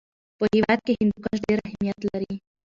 په هېواد کې هندوکش ډېر اهمیت لري.